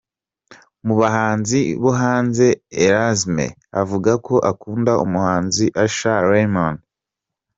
Mu bahanzi bo hanze, Erasme avuga ko akunda umuhanzi Usher Raymond.